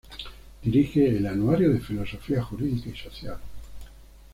Dirige el "Anuario de Filosofía Jurídica y Social".